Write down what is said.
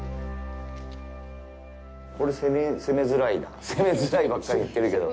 これ攻めづらい攻めづらいばかり言ってるけど。